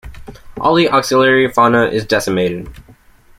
All the auxiliary fauna is decimated.